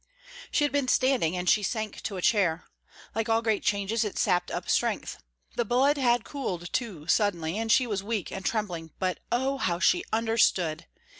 She had been standing, and she sank to a chair. Like all great changes it sapped up strength. The blood had cooled too suddenly, and she was weak and trembling but, oh, how she understood!